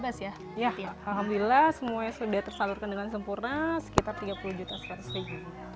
alhamdulillah semuanya sudah tersalurkan dengan sempurna sekitar tiga puluh juta seratus ribu